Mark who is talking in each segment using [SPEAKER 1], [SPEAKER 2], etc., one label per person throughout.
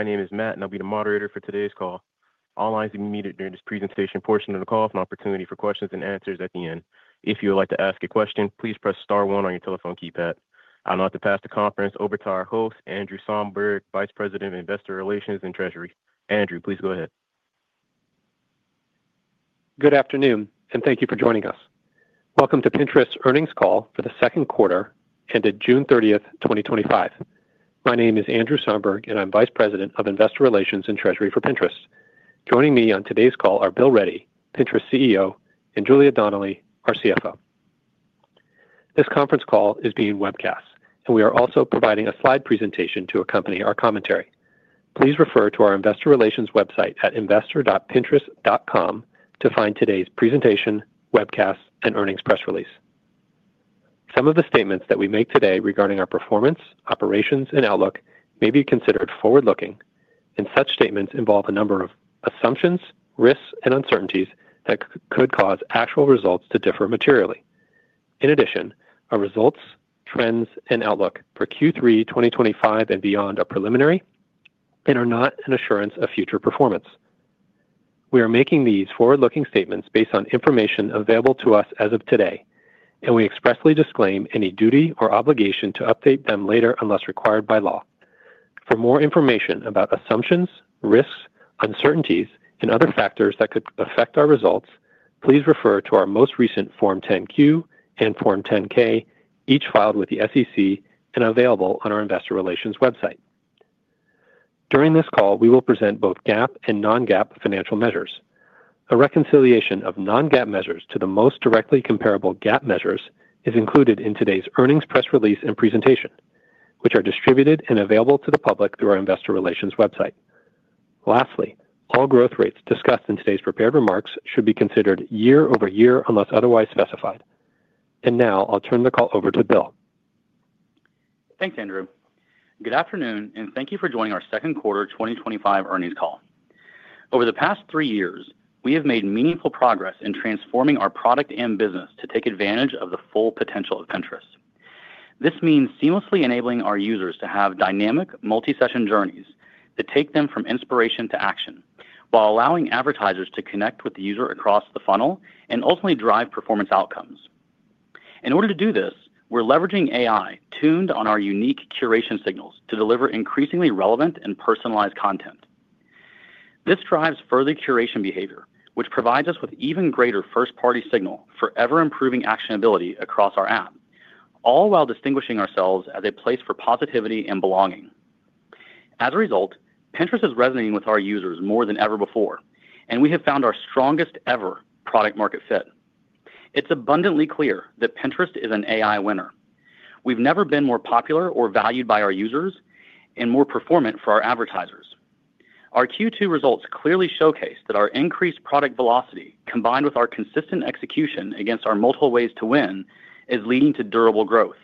[SPEAKER 1] My name is Matt, and I'll be the moderator for today's call. All lines will be muted during this presentation portion of the call, with an opportunity for questions and answers at the end. If you would like to ask a question, please press star one on your telephone keypad. I'm about to pass the conference over to our host, Andrew Somberg, Vice President of Investor Relations and Treasury. Andrew, please go ahead.
[SPEAKER 2] Good afternoon, and thank you for joining us. Welcome to Pinterest's earnings call for the second quarter, ended June 30, 2025. My name is Andrew Somberg, and I'm Vice President of Investor Relations and Treasury for Pinterest. Joining me on today's call are Bill Ready, Pinterest CEO, and Julia Donnelly, our CFO. This conference call is being webcast, and we are also providing a slide presentation to accompany our commentary. Please refer to our Investor Relations website at investor.pinterest.com to find today's presentation, webcast, and earnings press release. Some of the statements that we make today regarding our performance, operations, and outlook may be considered forward-looking, and such statements involve a number of assumptions, risks, and uncertainties that could cause actual results to differ materially. In addition, our results, trends, and outlook for Q3 2025 and beyond are preliminary and are not an assurance of future performance. We are making these forward-looking statements based on information available to us as of today, and we expressly disclaim any duty or obligation to update them later unless required by law. For more information about assumptions, risks, uncertainties, and other factors that could affect our results, please refer to our most recent Form 10-Q and Form 10-K, each filed with the SEC and available on our Investor Relations website. During this call, we will present both GAAP and non-GAAP financial measures. A reconciliation of non-GAAP measures to the most directly comparable GAAP measures is included in today's earnings press release and presentation, which are distributed and available to the public through our Investor Relations website. Lastly, all growth rates discussed in today's prepared remarks should be considered year-over-year unless otherwise specified. Now, I'll turn the call over to Bill.
[SPEAKER 3] Thanks, Andrew. Good afternoon, and thank you for joining our second quarter 2025 earnings call. Over the past three years, we have made meaningful progress in transforming our product and business to take advantage of the full potential of Pinterest. This means seamlessly enabling our users to have dynamic, multi-session journeys that take them from inspiration to action, while allowing advertisers to connect with the user across the funnel and ultimately drive performance outcomes. In order to do this, we're leveraging AI tuned on our unique curation signals to deliver increasingly relevant and personalized content. This drives further curation behavior, which provides us with even greater first-party signal for ever-improving actionability across our app, all while distinguishing ourselves as a place for positivity and belonging. As a result, Pinterest is resonating with our users more than ever before, and we have found our strongest ever product-market fit. It's abundantly clear that Pinterest is an AI winner. We've never been more popular or valued by our users and more performant for our advertisers. Our Q2 results clearly showcase that our increased product velocity, combined with our consistent execution against our multiple ways to win, is leading to durable growth.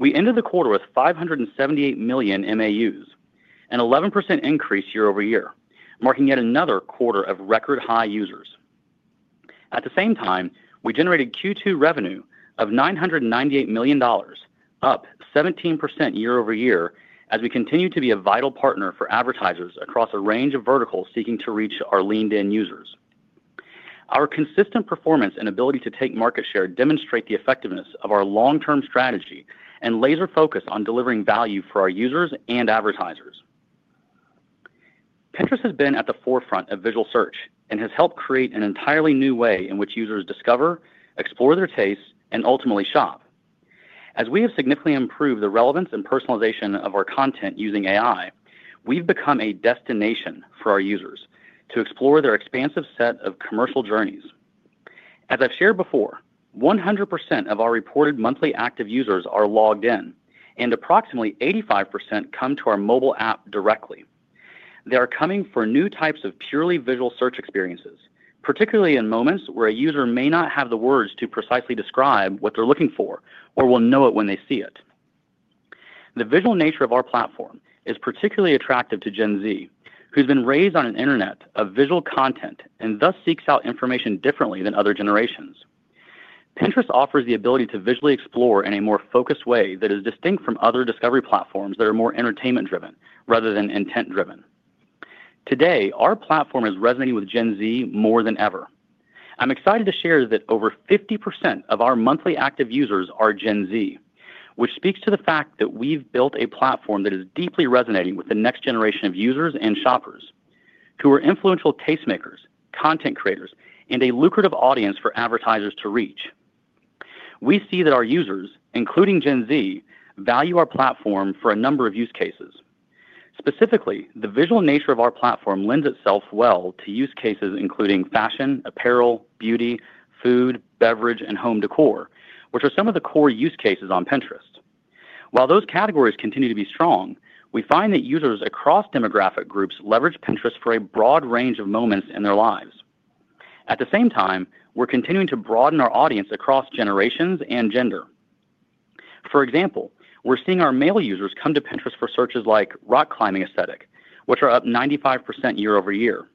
[SPEAKER 3] We ended the quarter with 578 million MAUs, an 11% increase year-over-year, marking yet another quarter of record high users. At the same time, we generated Q2 revenue of $998 million, up 17% year-over-year, as we continue to be a vital partner for advertisers across a range of verticals seeking to reach our leaned-in users. Our consistent performance and ability to take market share demonstrate the effectiveness of our long-term strategy and laser focus on delivering value for our users and advertisers. Pinterest has been at the forefront of visual search and has helped create an entirely new way in which users discover, explore their tastes, and ultimately shop. As we have significantly improved the relevance and personalization of our content using AI, we've become a destination for our users to explore their expansive set of commercial journeys. As I've shared before, 100% of our reported monthly active users are logged in, and approximately 85% come to our mobile app directly. They are coming for new types of purely visual search experiences, particularly in moments where a user may not have the words to precisely describe what they're looking for or will know it when they see it. The visual nature of our platform is particularly attractive to Gen Z, who's been raised on an internet of visual content and thus seeks out information differently than other generations. Pinterest offers the ability to visually explore in a more focused way that is distinct from other discovery platforms that are more entertainment-driven rather than intent-driven. Today, our platform is resonating with Gen Z more than ever. I'm excited to share that over 50% of our MAUs are Gen Z, which speaks to the fact that we've built a platform that is deeply resonating with the next generation of users and shoppers, who are influential tastemakers, content creators, and a lucrative audience for advertisers to reach. We see that our users, including Gen Z, value our platform for a number of use cases. Specifically, the visual nature of our platform lends itself well to use cases including fashion, apparel, beauty, food, beverage, and home decor, which are some of the core use cases on Pinterest. While those categories continue to be strong, we find that users across demographic groups leverage Pinterest for a broad range of moments in their lives. At the same time, we're continuing to broaden our audience across generations and gender. For example, we're seeing our male users come to Pinterest for searches like rock climbing aesthetic, which are up 95% year-over-year.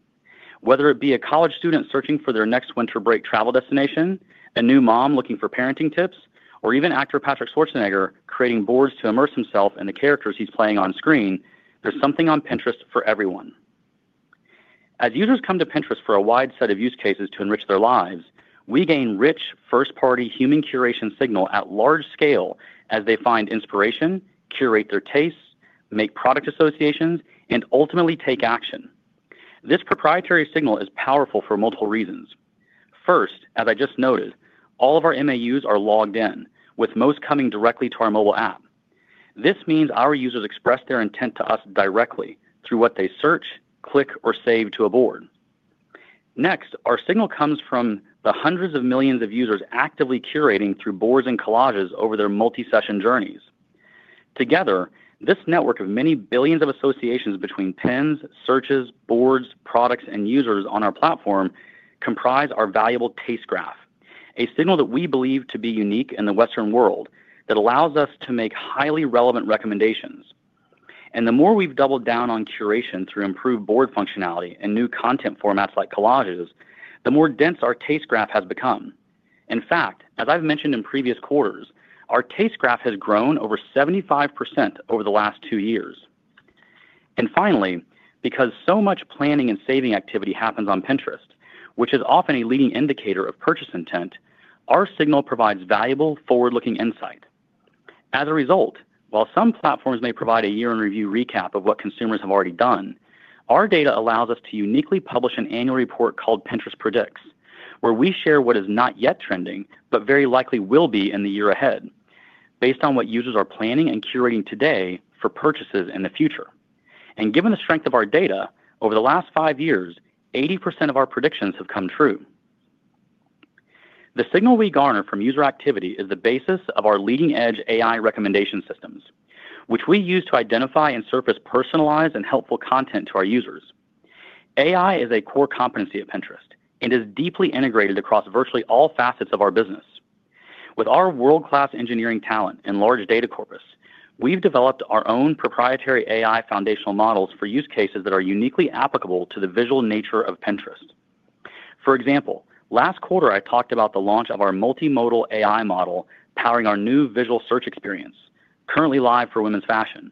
[SPEAKER 3] Whether it be a college student searching for their next winter break travel destination, a new mom looking for parenting tips, or even actor Patrick Schwarzenegger creating boards to immerse himself in the characters he's playing on screen, there's something on Pinterest for everyone. As users come to Pinterest for a wide set of use cases to enrich their lives, we gain rich first-party human curation signal at large scale as they find inspiration, curate their tastes, make product associations, and ultimately take action. This proprietary signal is powerful for multiple reasons. First, as I just noted, all of our MAUs are logged in, with most coming directly to our mobile app. This means our users express their intent to us directly through what they search, click, or save to a board. Next, our signal comes from the hundreds of millions of users actively curating through boards and collages over their multi-session journeys. Together, this network of many billions of associations between Pins, searches, boards, products, and users on our platform comprise our valuable Taste Graph, a signal that we believe to be unique in the Western world that allows us to make highly relevant recommendations. The more we've doubled down on curation through improved board functionality and new content formats like collages, the more dense our Taste Graph has become. In fact, as I've mentioned in previous quarters, our Taste Graph has grown over 75% over the last two years. Finally, because so much planning and saving activity happens on Pinterest, which is often a leading indicator of purchase intent, our signal provides valuable forward-looking insight. As a result, while some platforms may provide a year-end review recap of what consumers have already done, our data allows us to uniquely publish an annual report called Pinterest Predicts, where we share what is not yet trending but very likely will be in the year ahead, based on what users are planning and curating today for purchases in the future. Given the strength of our data, over the last five years, 80% of our predictions have come true. The signal we garner from user activity is the basis of our leading-edge AI recommendation systems, which we use to identify and surface personalized and helpful content to our users. AI is a core competency at Pinterest and is deeply integrated across virtually all facets of our business. With our world-class engineering talent and large data corpus, we've developed our own proprietary AI foundational models for use cases that are uniquely applicable to the visual nature of Pinterest. For example, last quarter I talked about the launch of our Multimodal AI model powering our new visual search experience, currently live for Women's Fashion.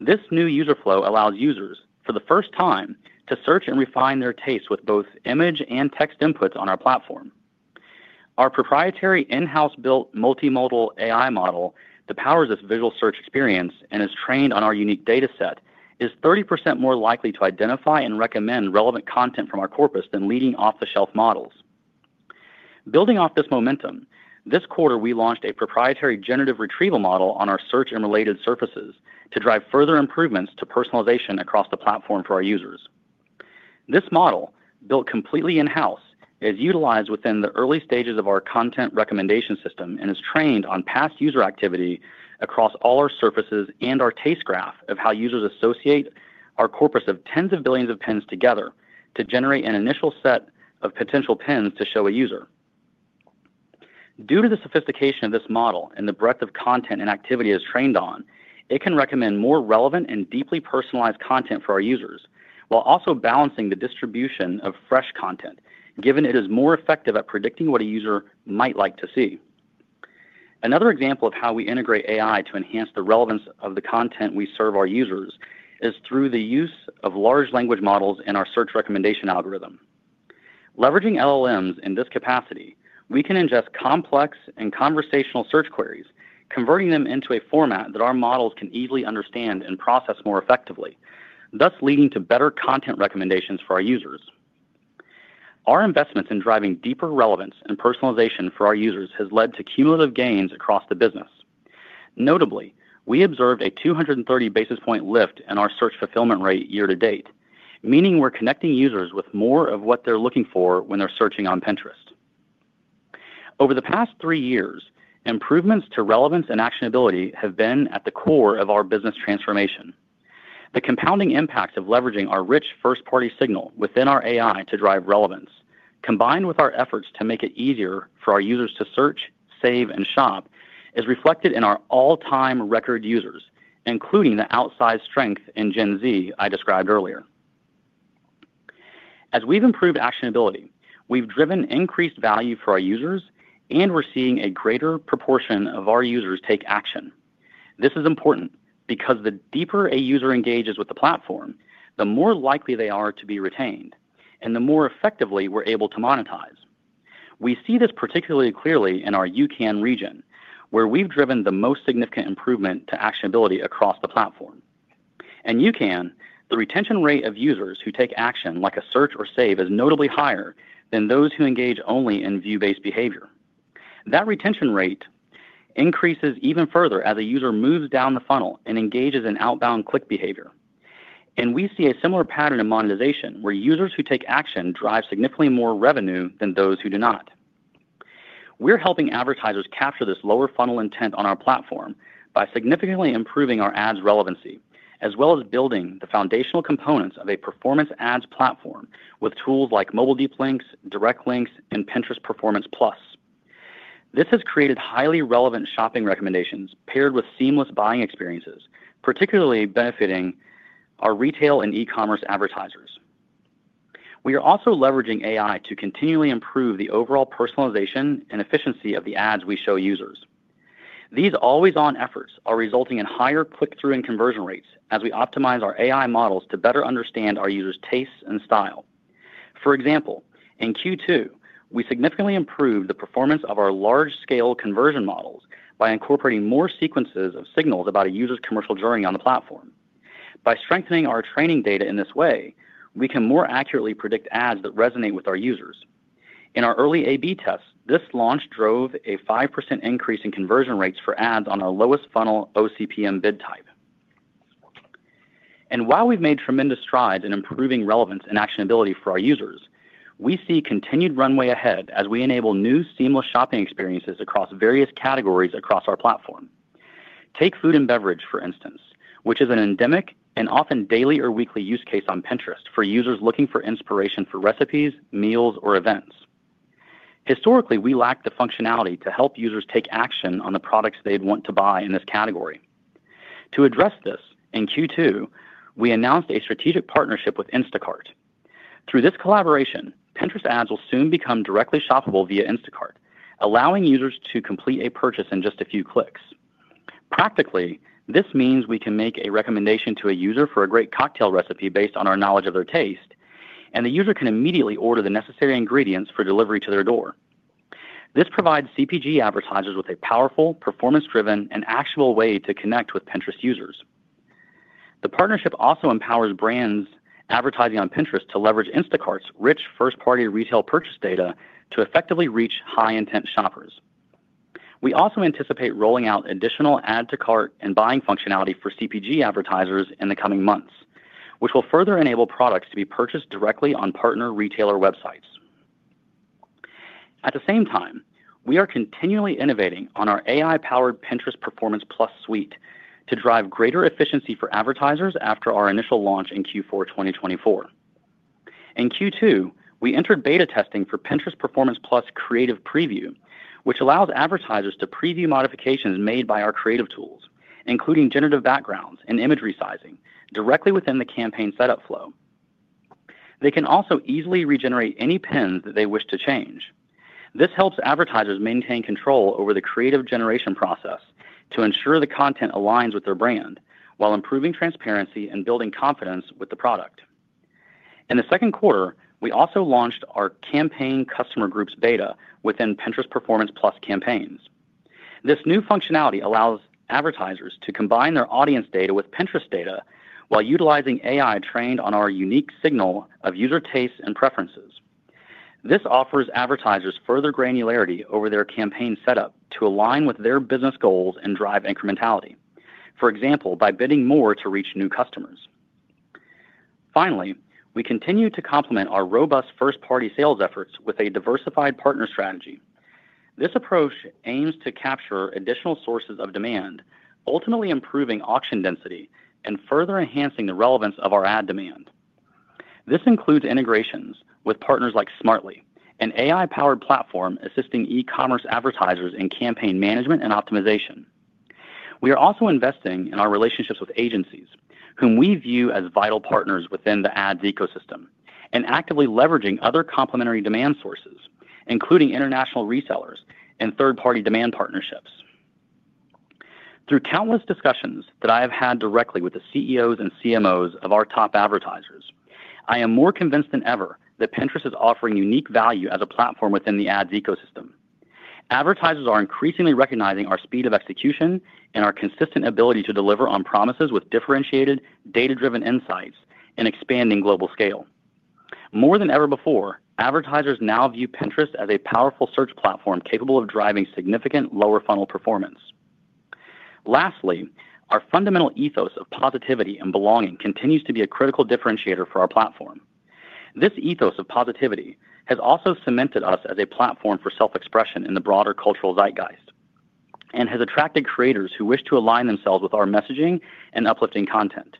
[SPEAKER 3] This new user flow allows users, for the first time, to search and refine their tastes with both image and text inputs on our platform. Our proprietary in-house built Multimodal AI model that powers this visual search experience and is trained on our unique data set is 30% more likely to identify and recommend relevant content from our corpus than leading off-the-shelf models. Building off this momentum, this quarter we launched a proprietary Generative retrieval model on our search and related surfaces to drive further improvements to personalization across the platform for our users. This model, built completely in-house, is utilized within the early stages of our content recommendation engine and is trained on past user activity across all our surfaces and our Taste Graph of how users associate our corpus of tens of billions of Pins together to generate an initial set of potential Pins to show a user. Due to the sophistication of this model and the breadth of content and activity it is trained on, it can recommend more relevant and deeply personalized content for our users, while also balancing the distribution of fresh content, given it is more effective at predicting what a user might like to see. Another example of how we integrate AI to enhance the relevance of the content we serve our users is through the use of large language models in our search recommendation algorithm. Leveraging LLMs in this capacity, we can ingest complex and conversational search queries, converting them into a format that our models can easily understand and process more effectively, thus leading to better content recommendations for our users. Our investments in driving deeper relevance and personalization for our users have led to cumulative gains across the business. Notably, we observed a 230 basis point lift in our search fulfillment rate year to date, meaning we're connecting users with more of what they're looking for when they're searching on Pinterest. Over the past three years, improvements to relevance and actionability have been at the core of our business transformation. The compounding impact of leveraging our rich first-party curation signals within our AI to drive relevance, combined with our efforts to make it easier for our users to search, save, and shop, is reflected in our all-time record users, including the outsized strength in Gen Z I described earlier. As we've improved actionability, we've driven increased value for our users, and we're seeing a greater proportion of our users take action. This is important because the deeper a user engages with the platform, the more likely they are to be retained, and the more effectively we're able to monetize. We see this particularly clearly in our UCAN region, where we've driven the most significant improvement to actionability across the platform. In UCAN, the retention rate of users who take action, like a search or save, is notably higher than those who engage only in view-based behavior. That retention rate increases even further as a user moves down the funnel and engages in outbound click behavior. We see a similar pattern in monetization, where users who take action drive significantly more revenue than those who do not. We're helping advertisers capture this lower-funnel intent on our platform by significantly improving our ads relevancy, as well as building the foundational components of a performance ads platform with tools like Mobile Deep Links, Direct Links, and Pinterest Performance Plus. This has created highly relevant shopping recommendations paired with seamless buying experiences, particularly benefiting our retail and e-commerce advertisers. We are also leveraging AI to continually improve the overall personalization and efficiency of the ads we show users. These always-on efforts are resulting in higher click-through and conversion rates as we optimize our AI models to better understand our users' tastes and style. For example, in Q2, we significantly improved the performance of our large-scale conversion models by incorporating more sequences of signals about a user's commercial journey on the platform. By strengthening our training data in this way, we can more accurately predict ads that resonate with our users. In our early A/B tests, this launch drove a 5% increase in conversion rates for ads on our lowest funnel OCPM bid type. While we've made tremendous strides in improving relevance and actionability for our users, we see continued runway ahead as we enable new seamless shopping experiences across various categories across our platform. Take food and beverage, for instance, which is an endemic and often daily or weekly use case on Pinterest for users looking for inspiration for recipes, meals, or events. Historically, we lacked the functionality to help users take action on the products they'd want to buy in this category. To address this, in Q2, we announced a strategic partnership with Instacart. Through this collaboration, Pinterest ads will soon become directly shoppable via Instacart, allowing users to complete a purchase in just a few clicks. Practically, this means we can make a recommendation to a user for a great cocktail recipe based on our knowledge of their taste, and the user can immediately order the necessary ingredients for delivery to their door. This provides CPG advertisers with a powerful, performance-driven, and actionable way to connect with Pinterest users. The partnership also empowers brands advertising on Pinterest to leverage Instacart's rich first-party retail purchase data to effectively reach high-intent shoppers. We also anticipate rolling out additional add-to-cart and buying functionality for CPG advertisers in the coming months, which will further enable products to be purchased directly on partner retailer websites. At the same time, we are continually innovating on our AI-driven Pinterest Performance Plus suite to drive greater efficiency for advertisers after our initial launch in Q4 2024. In Q2, we entered beta testing for Pinterest Performance Plus Creative Preview, which allows advertisers to preview modifications made by our creative tools, including Generative backgrounds and imagery sizing, directly within the campaign setup flow. They can also easily regenerate any pins that they wish to change. This helps advertisers maintain control over the creative generation process to ensure the content aligns with their brand while improving transparency and building confidence with the product. In the second quarter, we also launched our campaign customer groups data within Pinterest Performance Plus campaigns. This new functionality allows advertisers to combine their audience data with Pinterest data while utilizing AI trained on our unique signal of user tastes and preferences. This offers advertisers further granularity over their campaign setup to align with their business goals and drive incrementality, for example, by bidding more to reach new customers. Finally, we continue to complement our robust first-party sales efforts with a diversified partner strategy. This approach aims to capture additional sources of demand, ultimately improving auction density and further enhancing the relevance of our ad demand. This includes integrations with partners like Smartly, an AI-powered platform assisting e-commerce advertisers in campaign management and optimization. We are also investing in our relationships with agencies, whom we view as vital partners within the ads ecosystem, and actively leveraging other complementary demand sources, including international resellers and third-party demand partnerships. Through countless discussions that I have had directly with the CEOs and CMOs of our top advertisers, I am more convinced than ever that Pinterest is offering unique value as a platform within the ads ecosystem. Advertisers are increasingly recognizing our speed of execution and our consistent ability to deliver on promises with differentiated, data-driven insights and expanding global scale. More than ever before, advertisers now view Pinterest as a powerful search platform capable of driving significant lower-funnel performance. Lastly, our fundamental ethos of positivity and belonging continues to be a critical differentiator for our platform. This ethos of positivity has also cemented us as a platform for self-expression in the broader cultural zeitgeist and has attracted creators who wish to align themselves with our messaging and uplifting content.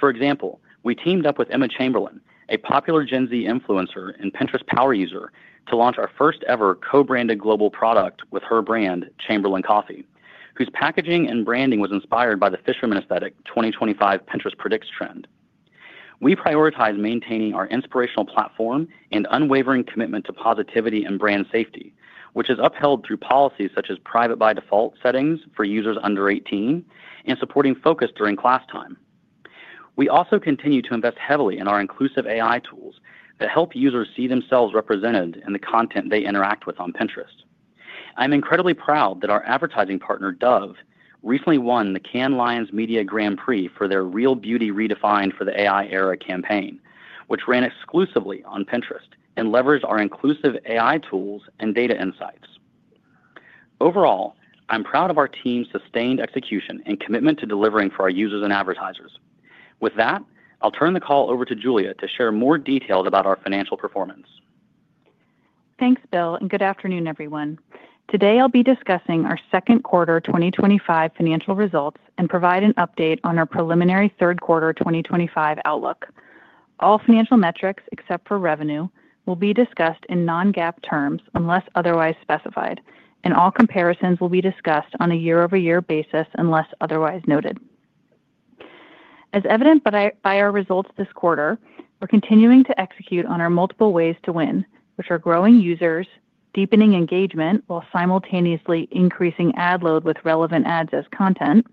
[SPEAKER 3] For example, we teamed up with Emma Chamberlain, a popular Gen Z influencer and Pinterest power user, to launch our first-ever co-branded global product with her brand, Chamberlain Coffee, whose packaging and branding was inspired by the fisherman aesthetic 2025 Pinterest Predicts trend. We prioritize maintaining our inspirational platform and unwavering commitment to positivity and brand safety, which is upheld through policies such as private by default settings for users under 18 and supporting focus during class time. We also continue to invest heavily in our inclusive AI tools that help users see themselves represented in the content they interact with on Pinterest. I'm incredibly proud that our advertising partner, Dove, recently won the Cannes Lions Media Grand Prix for their Real Beauty Redefined for the AI Era campaign, which ran exclusively on Pinterest and leveraged our inclusive AI tools and data insights. Overall, I'm proud of our team's sustained execution and commitment to delivering for our users and advertisers. With that, I'll turn the call over to Julia to share more details about our financial performance.
[SPEAKER 4] Thanks, Bill, and good afternoon, everyone. Today, I'll be discussing our second quarter 2025 financial results and provide an update on our preliminary third quarter 2025 outlook. All financial metrics, except for revenue, will be discussed in non-GAAP terms unless otherwise specified, and all comparisons will be discussed on a year-over-year basis unless otherwise noted. As evident by our results this quarter, we're continuing to execute on our multiple ways to win, which are growing users, deepening engagement while simultaneously increasing ad load with relevant ads as content,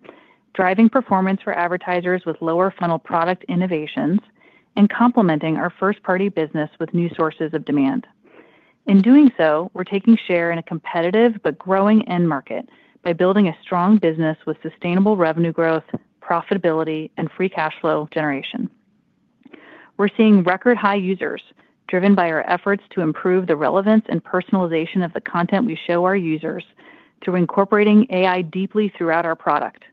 [SPEAKER 4] driving performance for advertisers with lower-funnel product innovations, and complementing our first-party business with new sources of demand. In doing so, we're taking share in a competitive but growing end market by building a strong business with sustainable revenue growth, profitability, and free cash flow generation. We're seeing record high users driven by our efforts to improve the relevance and personalization of the content we show our users through incorporating AI deeply throughout our product.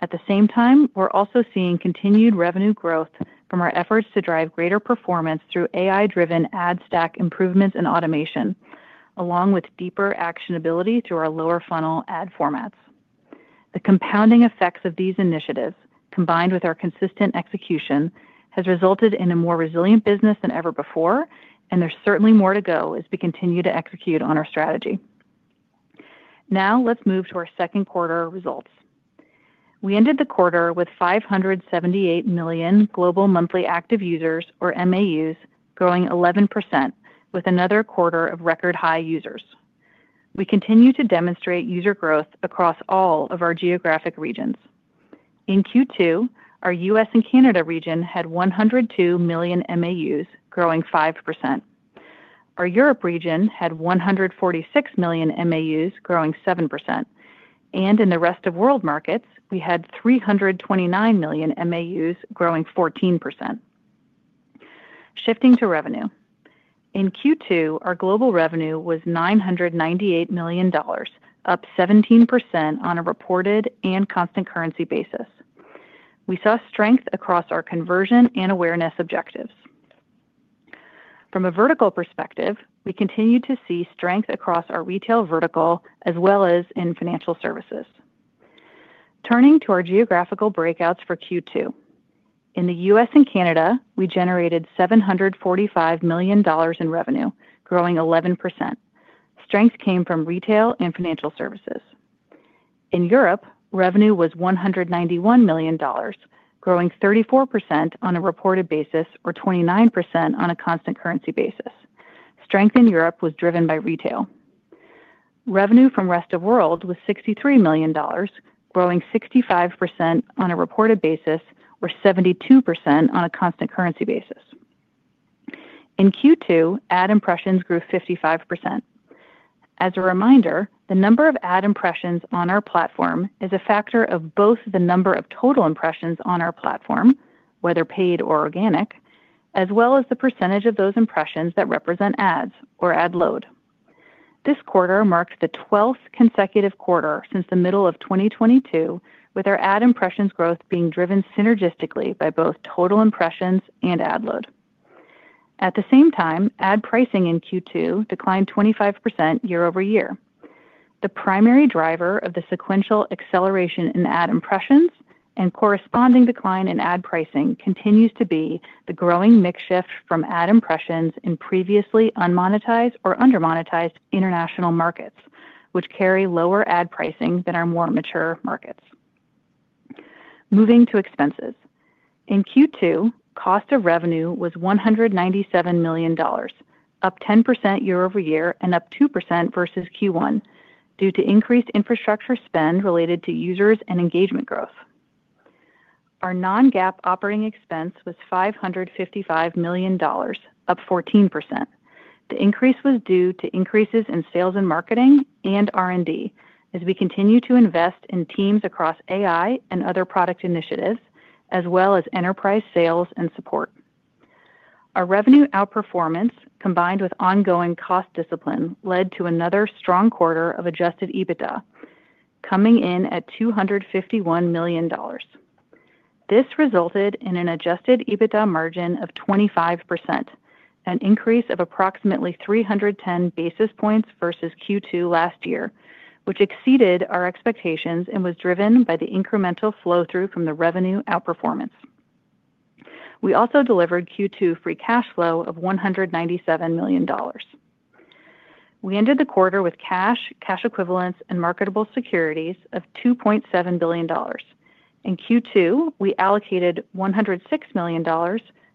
[SPEAKER 4] At the same time, we're also seeing continued revenue growth from our efforts to drive greater performance through AI-driven ad stack improvements and automation, along with deeper actionability through our lower-funnel ad formats. The compounding effects of these initiatives, combined with our consistent execution, have resulted in a more resilient business than ever before, and there's certainly more to go as we continue to execute on our strategy. Now, let's move to our second quarter results. We ended the quarter with 578 million global monthly active users, or MAUs, growing 11%, with another quarter of record high users. We continue to demonstrate user growth across all of our geographic regions. In Q2, our U.S. and Canada region had 102 million MAUs, growing 5%. Our Europe region had 146 million MAUs, growing 7%, and in the rest of world markets, we had 329 million MAUs, growing 14%. Shifting to revenue, in Q2, our global revenue was $998 million, up 17% on a reported and constant currency basis. We saw strength across our conversion and awareness objectives. From a vertical perspective, we continued to see strength across our retail vertical as well as in financial services. Turning to our geographical breakouts for Q2, in the U.S. and Canada, we generated $745 million in revenue, growing 11%. Strength came from retail and financial services. In Europe, revenue was $191 million, growing 34% on a reported basis or 29% on a constant currency basis. Strength in Europe was driven by retail. Revenue from the rest of the world was $63 million, growing 65% on a reported basis or 72% on a constant currency basis. In Q2, ad impressions grew 55%. As a reminder, the number of ad impressions on our platform is a factor of both the number of total impressions on our platform, whether paid or organic, as well as the percentage of those impressions that represent ads or ad load. This quarter marks the 12th consecutive quarter since the middle of 2022, with our ad impressions growth being driven synergistically by both total impressions and ad load. At the same time, ad pricing in Q2 declined 25% year-over-year. The primary driver of the sequential acceleration in ad impressions and corresponding decline in ad pricing continues to be the growing mix shift from ad impressions in previously unmonetized or undermonetized international markets, which carry lower ad pricing than our more mature markets. Moving to expenses, in Q2, cost of revenue was $197 million, up 10% year-over-year and up 2% versus Q1 due to increased infrastructure spend related to users and engagement growth. Our non-GAAP operating expense was $555 million, up 14%. The increase was due to increases in sales and marketing and R&D, as we continue to invest in teams across AI and other product initiatives, as well as enterprise sales and support. Our revenue outperformance, combined with ongoing cost discipline, led to another strong quarter of adjusted EBITDA, coming in at $251 million. This resulted in an adjusted EBITDA margin of 25%, an increase of approximately 310 basis points versus Q2 last year, which exceeded our expectations and was driven by the incremental flow through from the revenue outperformance. We also delivered Q2 free cash flow of $197 million. We ended the quarter with cash, cash equivalents, and marketable securities of $2.7 billion. In Q2, we allocated $106 million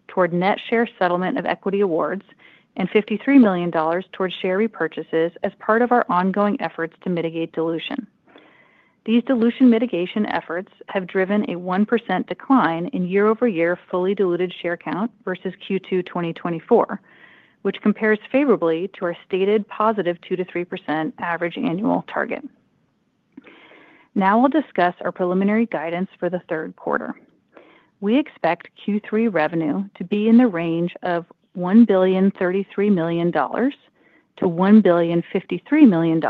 [SPEAKER 4] toward net share settlement of equity awards and $53 million toward share repurchases as part of our ongoing efforts to mitigate dilution. These dilution mitigation efforts have driven a 1% decline in year-over-year fully diluted share count versus Q2 2024, which compares favorably to our stated positive 2%-3% average annual target. Now, we'll discuss our preliminary guidance for the third quarter. We expect Q3 revenue to be in the range of $1,033 million-$1,053 million,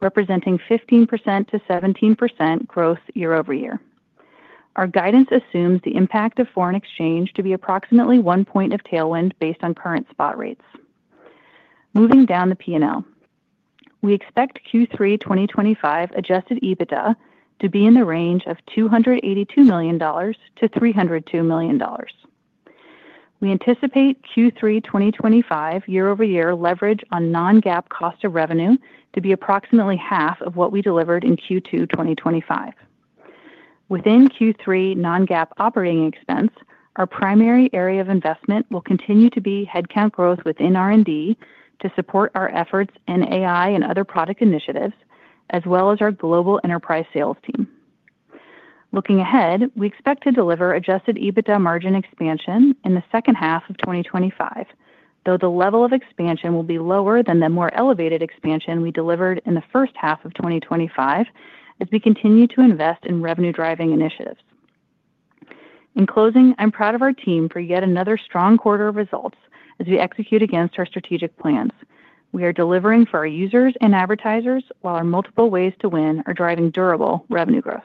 [SPEAKER 4] representing 15%-17% growth year-over-year. Our guidance assumes the impact of foreign exchange to be approximately one point of tailwind based on current spot rates. Moving down the P&L, we expect Q3 2025 adjusted EBITDA to be in the range of $282 million-$302 million. We anticipate Q3 2025 year-over-year leverage on non-GAAP cost of revenue to be approximately half of what we delivered in Q2 2025. Within Q3 non-GAAP operating expense, our primary area of investment will continue to be headcount growth within R&D to support our efforts in AI and other product initiatives, as well as our global enterprise sales team. Looking ahead, we expect to deliver adjusted EBITDA margin expansion in the second half of 2025, though the level of expansion will be lower than the more elevated expansion we delivered in the first half of 2025 as we continue to invest in revenue-driving initiatives. In closing, I'm proud of our team for yet another strong quarter of results as we execute against our strategic plans. We are delivering for our users and advertisers, while our multiple ways to win are driving durable revenue growth.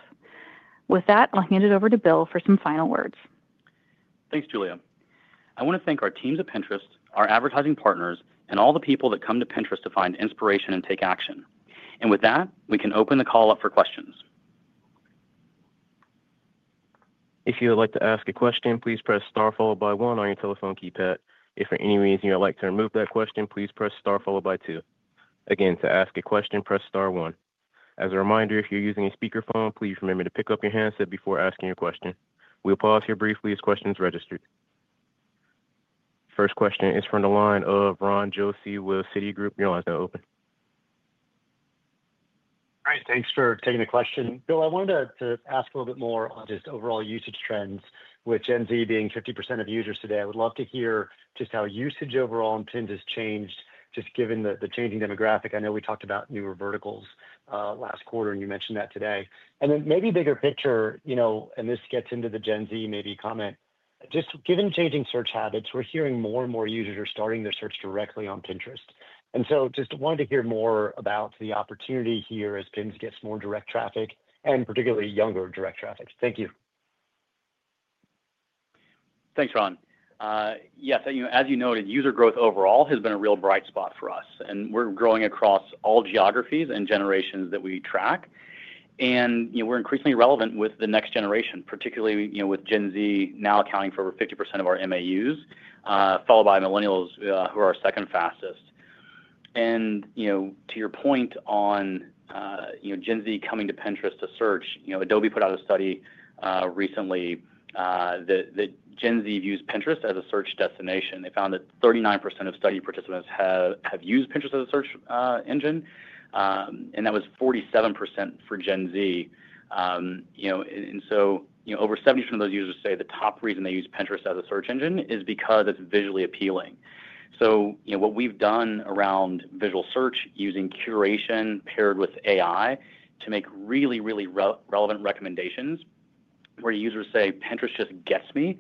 [SPEAKER 4] With that, I'll hand it over to Bill for some final words.
[SPEAKER 3] Thanks, Julia. I want to thank our teams at Pinterest, our advertising partners, and all the people that come to Pinterest to find inspiration and take action. With that, we can open the call up for questions.
[SPEAKER 1] If you would like to ask a question, please press star followed by one on your telephone keypad. If for any reason you would like to remove that question, please press star followed by two. Again, to ask a question, press star one. As a reminder, if you're using a speakerphone, please remember to pick up your handset before asking your question. We'll pause here briefly as questions register. First question is from the line of Ron Josey with Citigroup. You're welcome to open.
[SPEAKER 5] All right. Thanks for taking the question. Bill, I wanted to ask a little bit more on just overall usage trends, with Gen Z being 50% of users today. I would love to hear just how usage overall in Pinterest has changed, just given the changing demographic. I know we talked about newer verticals last quarter, and you mentioned that today. Maybe a bigger picture, you know, and this gets into the Gen Z maybe comment. Just given changing search habits, we're hearing more and more users are starting their search directly on Pinterest. Just wanted to hear more about the opportunity here as Pinterest gets more direct traffic and particularly younger direct traffic. Thank you.
[SPEAKER 3] Thanks, Ron. Yeah, as you noted, user growth overall has been a real bright spot for us, and we're growing across all geographies and generations that we track. We're increasingly relevant with the next generation, particularly with Gen Z now accounting for over 50% of our MAUs, followed by Millennials, who are our second fastest. To your point on Gen Z coming to Pinterest to search, Adobe put out a study recently that Gen Z views Pinterest as a search destination. They found that 39% of study participants have used Pinterest as a search engine, and that was 47% for Gen Z. Over 70% of those users say the top reason they use Pinterest as a search engine is because it's visually appealing. What we've done around visual search using curation paired with AI to make really, really relevant recommendations, where users say Pinterest just gets me,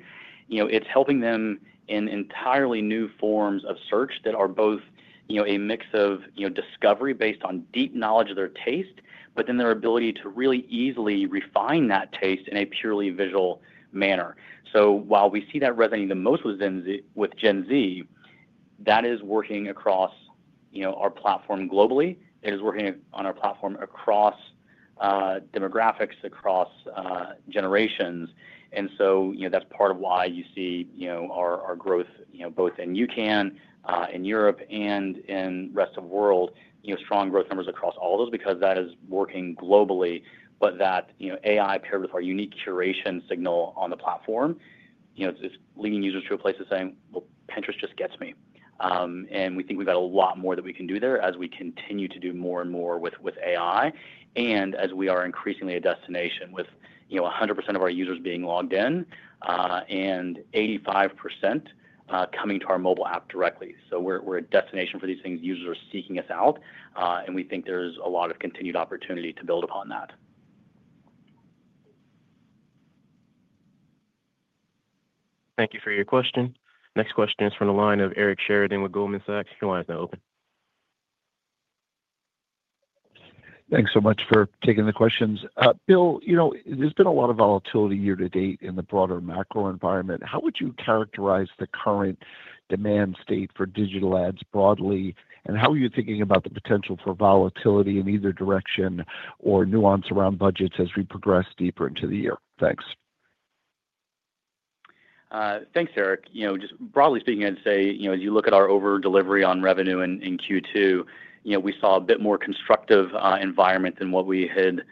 [SPEAKER 3] is helping them in entirely new forms of search that are both a mix of discovery based on deep knowledge of their taste, but then their ability to really easily refine that taste in a purely visual manner. While we see that resonating the most with Gen Z, that is working across our platform globally. It is working on our platform across demographics, across generations. That's part of why you see our growth both in UCAN, in Europe, and in the rest of the world, strong growth numbers across all of those because that is working globally. That AI paired with our unique curation signal on the platform is leading users to a place of saying, Pinterest just gets me. We think we've got a lot more that we can do there as we continue to do more and more with AI and as we are increasingly a destination with 100% of our users being logged in and 85% coming to our mobile app directly. We're a destination for these things. Users are seeking us out, and we think there's a lot of continued opportunity to build upon that.
[SPEAKER 1] Thank you for your question. Next question is from the line of Eric Sheridan with Goldman Sachs. You're welcome to open.
[SPEAKER 6] Thanks so much for taking the questions. Bill, you know there's been a lot of volatility year to date in the broader macro environment. How would you characterize the current demand state for digital ads broadly, and how are you thinking about the potential for volatility in either direction or nuance around budgets as we progress deeper into the year? Thanks.
[SPEAKER 3] Thanks, Eric. Broadly speaking, I'd say as you look at our over-delivery on revenue in Q2, we saw a bit more constructive environment than what we had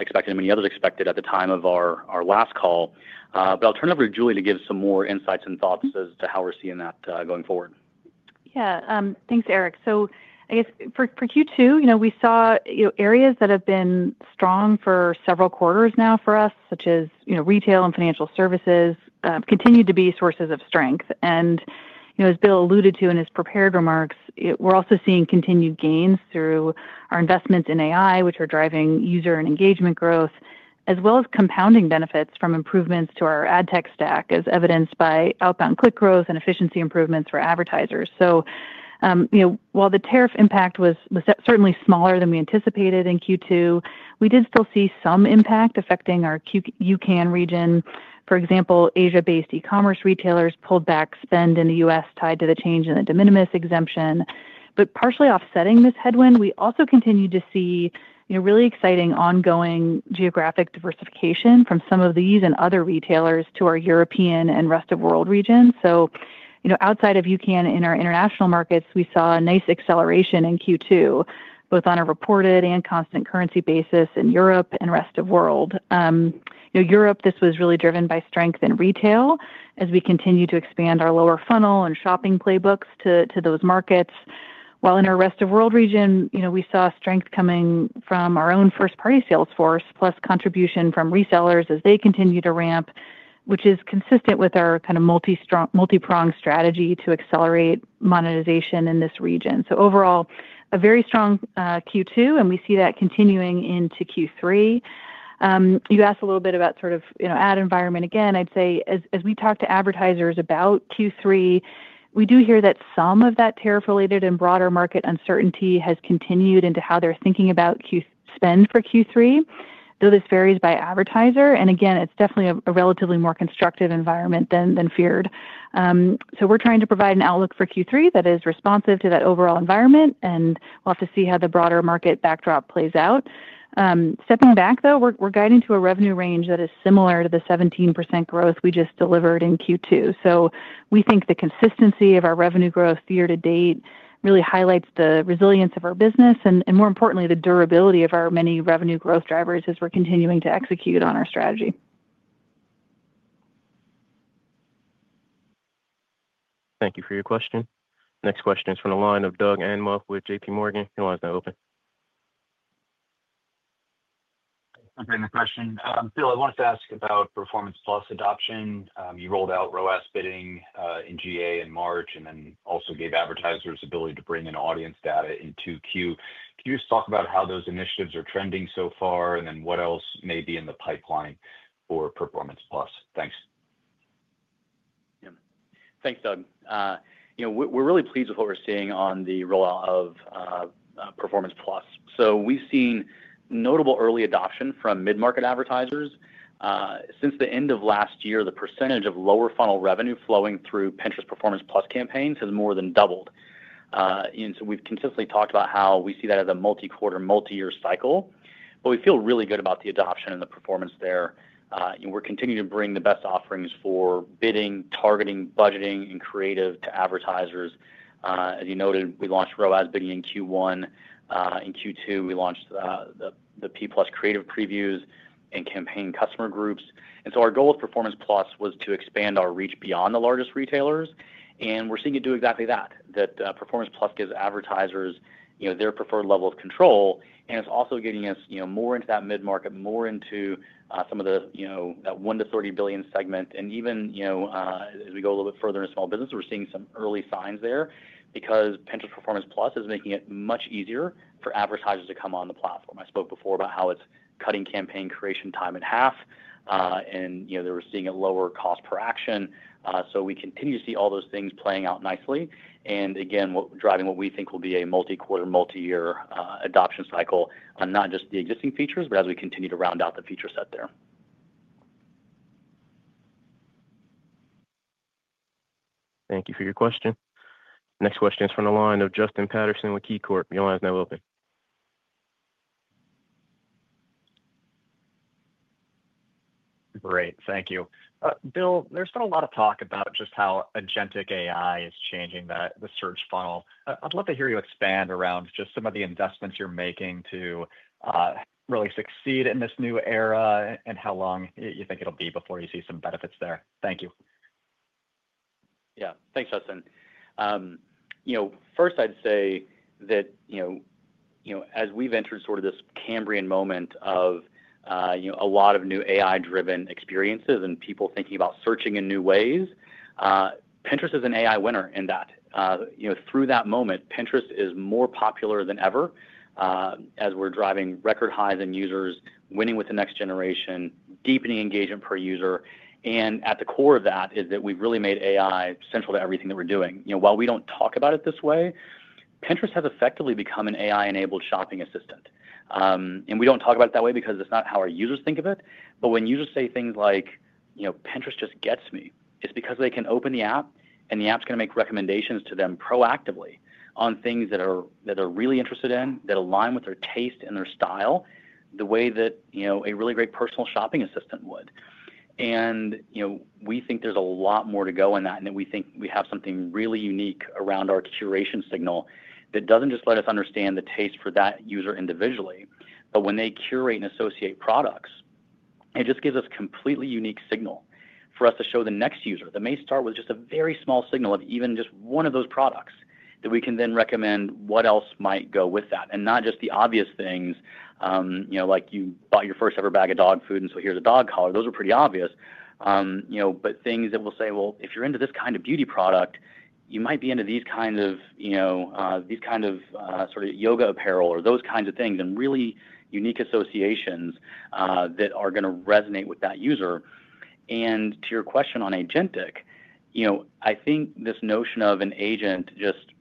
[SPEAKER 3] expected and many others expected at the time of our last call. I'll turn it over to Julia to give some more insights and thoughts as to how we're seeing that going forward.
[SPEAKER 4] Yeah, thanks, Eric. For Q2, we saw areas that have been strong for several quarters now for us, such as retail and financial services, continue to be sources of strength. As Bill alluded to in his prepared remarks, we're also seeing continued gains through our investments in AI, which are driving user and engagement growth, as well as compounding benefits from improvements to our ad tech stack, as evidenced by outbound click growth and efficiency improvements for advertisers. While the tariff impact was certainly smaller than we anticipated in Q2, we did still see some impact affecting our UCAN region. For example, Asia-based e-commerce retailers pulled back spend in the U.S. tied to the change in the de minimis exemption. Partially offsetting this headwind, we also continue to see really exciting ongoing geographic diversification from some of these and other retailers to our European and rest of the world regions. Outside of UCAN, in our international markets, we saw a nice acceleration in Q2, both on a reported and constant currency basis in Europe and rest of the world. In Europe, this was really driven by strength in retail as we continue to expand our lower-funnel and shopping playbooks to those markets. In our rest of the world region, we saw strength coming from our own first-party sales force, plus contribution from resellers as they continue to ramp, which is consistent with our kind of multi-pronged strategy to accelerate monetization in this region. Overall, a very strong Q2, and we see that continuing into Q3. You asked a little bit about sort of ad environment. As we talk to advertisers about Q3, we do hear that some of that tariff-related and broader market uncertainty has continued into how they're thinking about spend for Q3, though this varies by advertiser. It's definitely a relatively more constructive environment than feared. We're trying to provide an outlook for Q3 that is responsive to that overall environment, and we'll have to see how the broader market backdrop plays out. Stepping back, we're guiding to a revenue range that is similar to the 17% growth we just delivered in Q2. We think the consistency of our revenue growth year to date really highlights the resilience of our business and, more importantly, the durability of our many revenue growth drivers as we're continuing to execute on our strategy.
[SPEAKER 1] Thank you for your question. Next question is from the line of Doug Anmuth with J.P. Morgan. You're welcome to open.
[SPEAKER 7] Thanks for entering the question. Bill, I wanted to ask about Pinterest Performance Plus adoption. You rolled out ROAS bidding in GA in March and then also gave advertisers the ability to bring in audience data in Q2. Could you just talk about how those initiatives are trending so far and what else may be in the pipeline for Pinterest Performance Plus? Thanks.
[SPEAKER 3] Thanks, Doug. We're really pleased with what we're seeing on the rollout of Pinterest Performance Plus. We've seen notable early adoption from mid-market advertisers. Since the end of last year, the % of lower-funnel revenue flowing through Pinterest Performance Plus campaigns has more than doubled. We've consistently talked about how we see that as a multi-quarter, multi-year cycle. We feel really good about the adoption and the performance there. We're continuing to bring the best offerings for bidding, targeting, budgeting, and creative to advertisers. As you noted, we launched ROAS bidding in Q1. In Q2, we launched the P+ creative previews and campaign customer groups. Our goal with Pinterest Performance Plus was to expand our reach beyond the largest retailers. We're seeing it do exactly that. Pinterest Performance Plus gives advertisers their preferred level of control. It's also getting us more into that mid-market, more into some of that $1 to $30 billion segment. Even as we go a little bit further into small business, we're seeing some early signs there because Pinterest Performance Plus is making it much easier for advertisers to come on the platform. I spoke before about how it's cutting campaign creation time in half, and we're seeing a lower cost per action. We continue to see all those things playing out nicely and, again, driving what we think will be a multi-quarter, multi-year adoption cycle on not just the existing features, but as we continue to round out the feature set there.
[SPEAKER 1] Thank you for your question. Next question is from the line of Justin Patterson with KeyCorp. You're welcome to open.
[SPEAKER 8] Great. Thank you. Bill, there's been a lot of talk about just how agentic AI is changing the search funnel. I'd love to hear you expand around just some of the investments you're making to really succeed in this new era and how long you think it'll be before you see some benefits there. Thank you.
[SPEAKER 3] Yeah, thanks, Justin. First, I'd say that as we've entered sort of this Cambrian moment of a lot of new AI-driven experiences and people thinking about searching in new ways, Pinterest is an AI winner in that. Through that moment, Pinterest is more popular than ever as we're driving record highs in users, winning with the next generation, deepening engagement per user. At the core of that is that we've really made AI central to everything that we're doing. While we don't talk about it this way, Pinterest has effectively become an AI-enabled shopping assistant. We don't talk about it that way because it's not how our users think of it. When users say things like, "Pinterest just gets me," it's because they can open the app, and the app's going to make recommendations to them proactively on things that they're really interested in that align with their taste and their style the way that a really great personal shopping assistant would. We think there's a lot more to go in that, and we think we have something really unique around our curation signal that doesn't just let us understand the taste for that user individually, but when they curate and associate products, it just gives us a completely unique signal for us to show the next user that may start with just a very small signal of even just one of those products that we can then recommend what else might go with that. Not just the obvious things like you bought your first-ever bag of dog food, and so here's a dog collar. Those are pretty obvious. Things that will say, if you're into this kind of beauty product, you might be into these kinds of sort of yoga apparel or those kinds of things and really unique associations that are going to resonate with that user. To your question on agentic, I think this notion of an agent just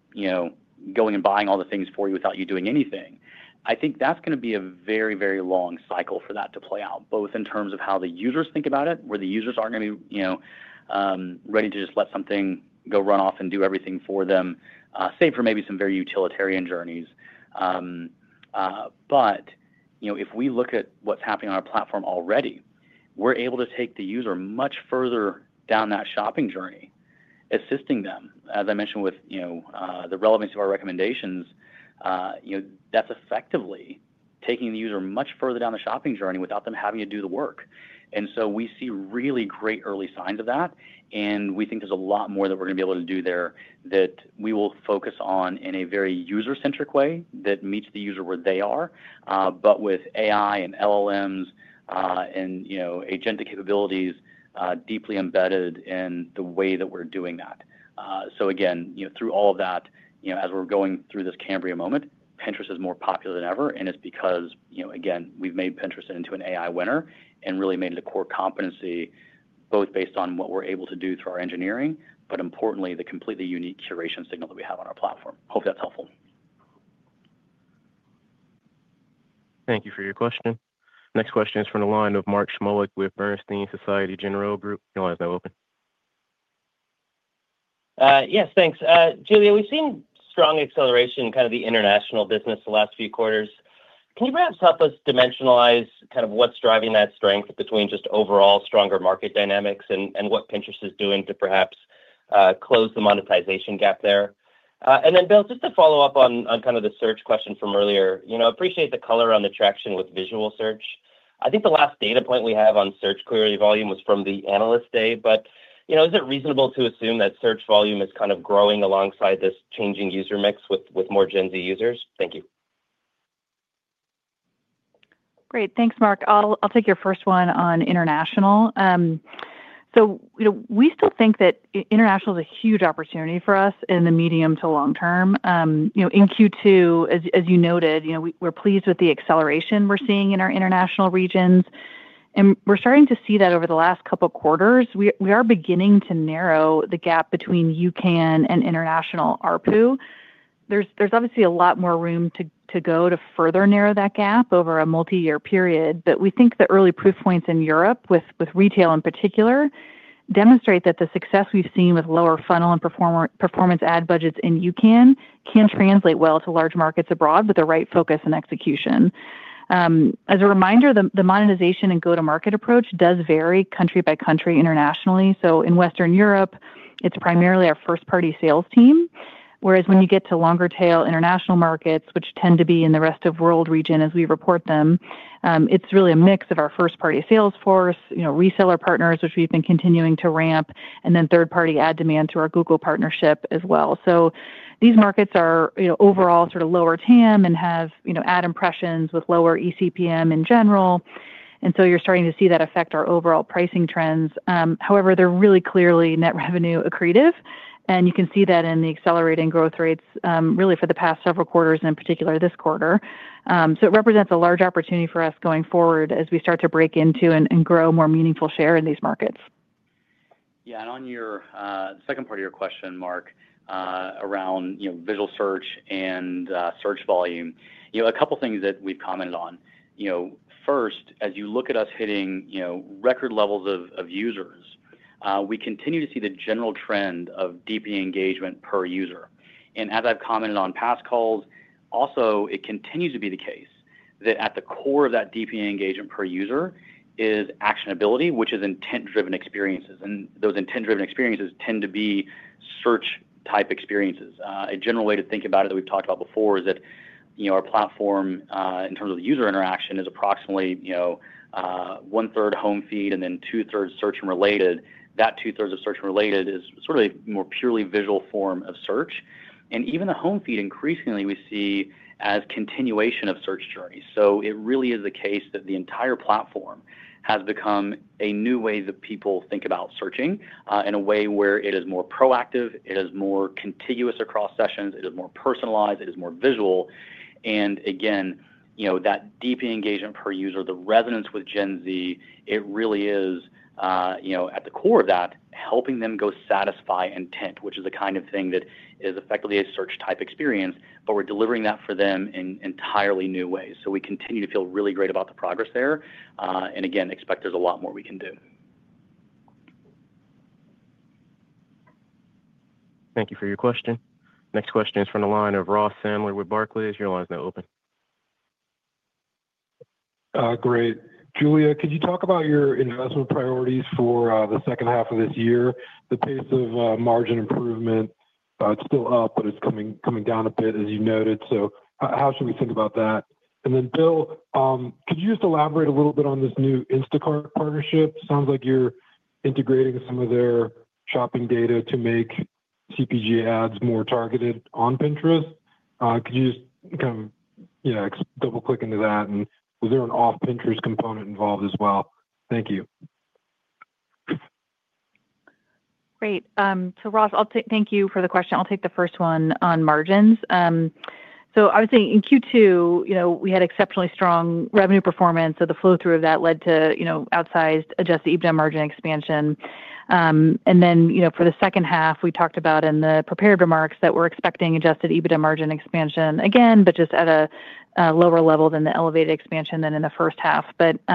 [SPEAKER 3] going and buying all the things for you without you doing anything, I think that's going to be a very, very long cycle for that to play out, both in terms of how the users think about it, where the users aren't going to be ready to just let something go run off and do everything for them, save for maybe some very utilitarian journeys. If we look at what's happening on our platform already, we're able to take the user much further down that shopping journey, assisting them. As I mentioned with the relevance of our recommendations, that's effectively taking the user much further down the shopping journey without them having to do the work. We see really great early signs of that, and we think there's a lot more that we're going to be able to do there that we will focus on in a very user-centric way that meets the user where they are, with AI and LLMs and agentic capabilities deeply embedded in the way that we're doing that. Through all of that, as we're going through this Cambrian moment, Pinterest is more popular than ever, and it's because we've made Pinterest into an AI winner and really made it a core competency, both based on what we're able to do through our engineering, and importantly, the completely unique curation signal that we have on our platform. Hope that's helpful.
[SPEAKER 1] Thank you for your question. Next question is from the line of Mark Shmulik with Bernstein Société Générale Group. You're welcome to open.
[SPEAKER 9] Yes, thanks. Julia, we've seen strong acceleration in kind of the international business the last few quarters. Can you perhaps help us dimensionalize kind of what's driving that strength between just overall stronger market dynamics and what Pinterest is doing to perhaps close the monetization gap there? Bill, just to follow up on kind of the search question from earlier, I appreciate the color on attraction with visual search. I think the last data point we have on search query volume was from the analysts' day. Is it reasonable to assume that search volume is kind of growing alongside this changing user mix with more Gen Z users? Thank you.
[SPEAKER 4] Great. Thanks, Mark. I'll take your first one on international. We still think that international is a huge opportunity for us in the medium to long term. In Q2, as you noted, we're pleased with the acceleration we're seeing in our international regions. We're starting to see that over the last couple of quarters. We are beginning to narrow the gap between UCAN and international ARPU. There's obviously a lot more room to go to further narrow that gap over a multi-year period. We think the early proof points in Europe, with retail in particular, demonstrate that the success we've seen with lower-funnel and performance ad budgets in UCAN can translate well to large markets abroad with the right focus and execution. As a reminder, the monetization and go-to-market approach does vary country by country internationally. In Western Europe, it's primarily our first-party sales team, whereas when you get to longer-tail international markets, which tend to be in the rest of the world region as we report them, it's really a mix of our first-party sales force, reseller partners, which we've been continuing to ramp, and then third-party ad demand through our Google partnership as well. These markets are overall sort of lower TAM and have ad impressions with lower ECPM in general. You're starting to see that affect our overall pricing trends. However, they're really clearly net revenue accretive. You can see that in the accelerating growth rates for the past several quarters and in particular this quarter. It represents a large opportunity for us going forward as we start to break into and grow more meaningful share in these markets.
[SPEAKER 3] Yeah, on your second part of your question, Mark, around visual search and search volume, a couple of things that we've commented on. First, as you look at us hitting record levels of users, we continue to see the general trend of DP engagement per user. As I've commented on past calls, it continues to be the case that at the core of that DP engagement per user is actionability, which is intent-driven experiences. Those intent-driven experiences tend to be search-type experiences. A general way to think about it that we've talked about before is that our platform, in terms of user interaction, is approximately one-third home feed and then two-thirds search and related. That two-thirds of search and related is sort of a more purely visual form of search. Even the home feed increasingly we see as a continuation of search journeys. It really is the case that the entire platform has become a new way that people think about searching in a way where it is more proactive, it is more contiguous across sessions, it is more personalized, it is more visual. That DP engagement per user, the resonance with Gen Z, it really is at the core of that helping them go satisfy intent, which is the kind of thing that is effectively a search-type experience, but we're delivering that for them in entirely new ways. We continue to feel really great about the progress there. Expect there's a lot more we can do.
[SPEAKER 1] Thank you for your question. Next question is from the line of Ross Sandler with Barclays. You're welcome to open.
[SPEAKER 10] Great. Julia, could you talk about your investment priorities for the second half of this year? The pace of margin improvement is still up, but it's coming down a bit, as you noted. How should we think about that? Bill, could you just elaborate a little bit on this new Instacart partnership? It sounds like you're integrating some of their shopping data to make CPG ads more targeted on Pinterest. Could you just kind of double-click into that? Was there an off-Pinterest component involved as well? Thank you.
[SPEAKER 4] Great. Ross, thank you for the question. I'll take the first one on margins. I would say in Q2, we had exceptionally strong revenue performance. The flow-through of that led to outsized adjusted EBITDA margin expansion. For the second half, we talked about in the prepared remarks that we're expecting adjusted EBITDA margin expansion again, just at a lower level than the elevated expansion in the first half.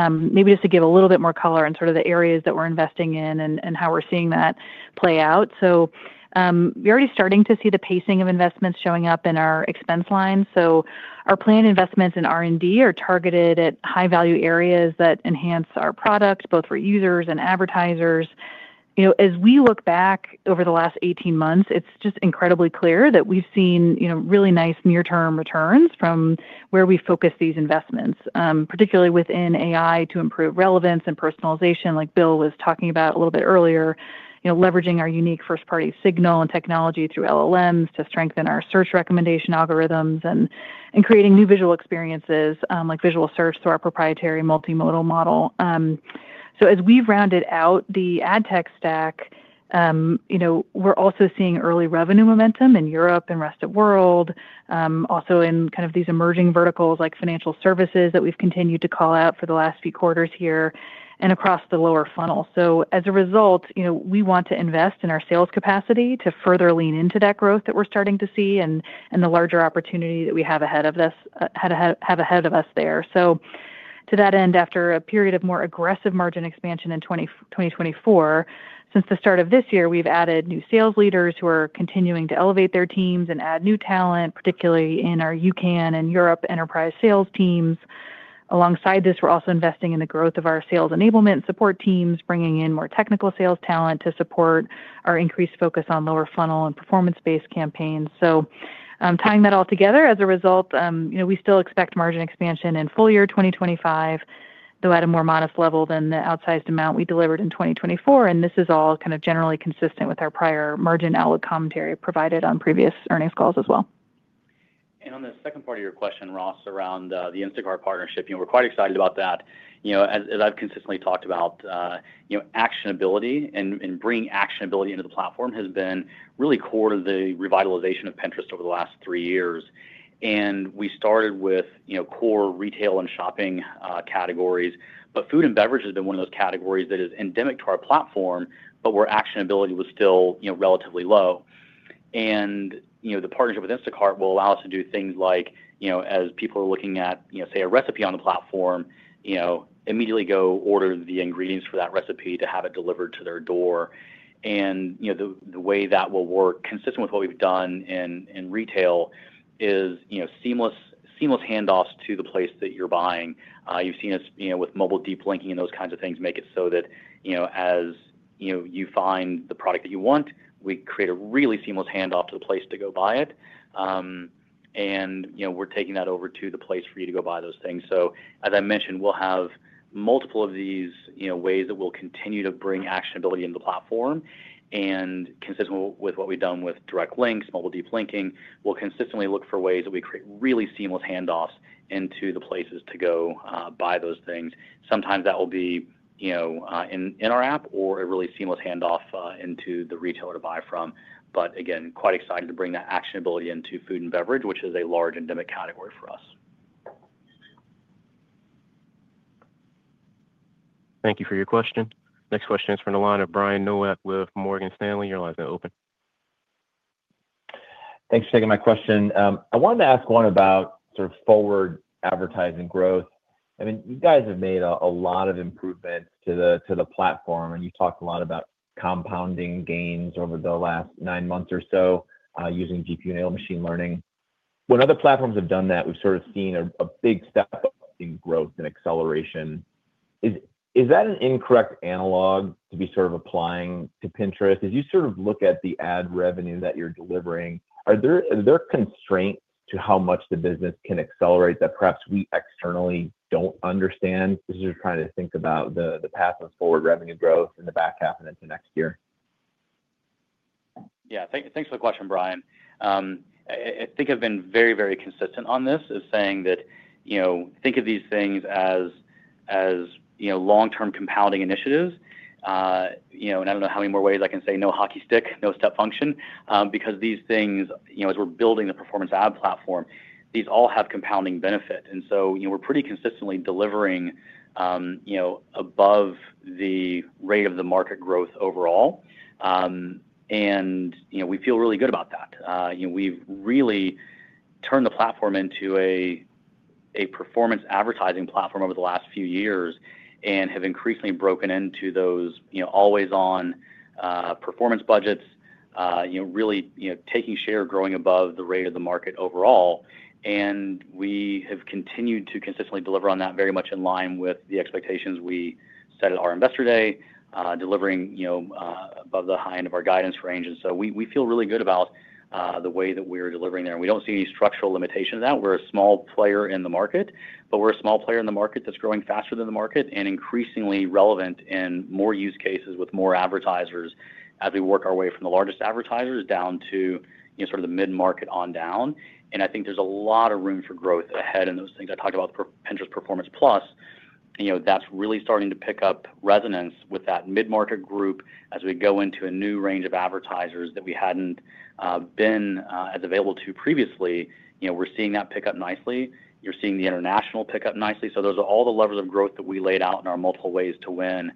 [SPEAKER 4] Maybe just to give a little bit more color in the areas that we're investing in and how we're seeing that play out. We're already starting to see the pacing of investments showing up in our expense line. Our planned investments in R&D are targeted at high-value areas that enhance our product, both for users and advertisers. As we look back over the last 18 months, it's just incredibly clear that we've seen really nice near-term returns from where we focus these investments, particularly within AI to improve relevance and personalization, like Bill was talking about a little bit earlier, leveraging our unique first-party curation signals and technology through LLMs to strengthen our search recommendation algorithms and creating new visual experiences like visual search through our proprietary Multimodal model. As we've rounded out the ad tech stack, we're also seeing early revenue momentum in Europe and rest of the world, also in these emerging verticals like financial services that we've continued to call out for the last few quarters here and across the lower-funnel. As a result, we want to invest in our sales capacity to further lean into that growth that we're starting to see and the larger opportunity that we have ahead of us there. To that end, after a period of more aggressive margin expansion in 2024, since the start of this year, we've added new sales leaders who are continuing to elevate their teams and add new talent, particularly in our UCAN and Europe enterprise sales teams. Alongside this, we're also investing in the growth of our sales enablement and support teams, bringing in more technical sales talent to support our increased focus on lower-funnel and performance-based campaigns. Tying that all together, as a result, we still expect margin expansion in full year 2025, though at a more modest level than the outsized amount we delivered in 2024. This is all generally consistent with our prior margin outlook commentary provided on previous earnings calls as well.
[SPEAKER 3] On the second part of your question, Ross, around the Instacart partnership, we're quite excited about that. As I've consistently talked about, actionability and bringing actionability into the platform has been really core to the revitalization of Pinterest over the last three years. We started with core retail and shopping categories, but food and beverage has been one of those categories that is endemic to our platform, where actionability was still relatively low. The partnership with Instacart will allow us to do things like, as people are looking at, say, a recipe on the platform, immediately go order the ingredients for that recipe to have it delivered to their door. The way that will work, consistent with what we've done in retail, is seamless handoffs to the place that you're buying. You've seen us with Mobile Deep Links and those kinds of things make it so that as you find the product that you want, we create a really seamless handoff to the place to go buy it. We're taking that over to the place for you to go buy those things. As I mentioned, we'll have multiple of these ways that we'll continue to bring actionability into the platform. Consistent with what we've done with Direct Links and Mobile Deep Links, we'll consistently look for ways that we create really seamless handoffs into the places to go buy those things. Sometimes that will be in our app or a really seamless handoff into the retailer to buy from. We're quite excited to bring that actionability into food and beverage, which is a large endemic category for us.
[SPEAKER 1] Thank you for your question. Next question is from the line of Brian Nowak with Morgan Stanley. You're welcome to open.
[SPEAKER 11] Thanks for taking my question. I wanted to ask one about sort of forward advertising growth. I mean, you guys have made a lot of improvements to the platform, and you've talked a lot about compounding gains over the last nine months or so using deep neural machine learning. When other platforms have done that, we've sort of seen a big step in growth and acceleration. Is that an incorrect analog to be sort of applying to Pinterest? If you sort of look at the ad revenue that you're delivering, are there constraints to how much the business can accelerate that perhaps we externally don't understand? This is just trying to think about the path of forward revenue growth in the back half and into next year.
[SPEAKER 3] Yeah, thanks for the question, Brian. I think I've been very, very consistent on this, saying that think of these things as long-term compounding initiatives. I don't know how many more ways I can say no hockey stick, no step function, because these things, as we're building the performance ad platform, all have compounding benefits. We're pretty consistently delivering above the rate of the market growth overall, and we feel really good about that. We've really turned the platform into a performance advertising platform over the last few years and have increasingly broken into those always-on performance budgets, really taking share, growing above the rate of the market overall. We have continued to consistently deliver on that, very much in line with the expectations we set at our investor day, delivering above the high end of our guidance range. We feel really good about the way that we're delivering there. We don't see any structural limitation of that. We're a small player in the market, but we're a small player in the market that's growing faster than the market and increasingly relevant in more use cases with more advertisers as we work our way from the largest advertisers down to the mid-market on down. I think there's a lot of room for growth ahead in those things. I talked about Pinterest Performance Plus. That's really starting to pick up resonance with that mid-market group as we go into a new range of advertisers that we hadn't been as available to previously. We're seeing that pick up nicely. You're seeing the international pick up nicely. Those are all the levers of growth that we laid out in our multiple ways to win